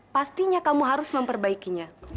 pastinya kamu harus memperbaikinya